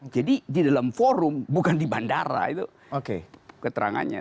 jadi di dalam forum bukan di bandara itu keterangannya